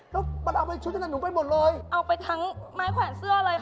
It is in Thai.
แล้วมันเอาไปชุดนั้นหนูไปหมดเลยเอาไปทั้งไม้แขวนเสื้อเลยค่ะ